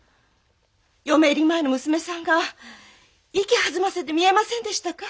嫁入り前の娘さんが息弾ませて見えませんでしたか？